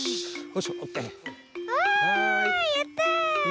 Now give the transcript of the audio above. あやった！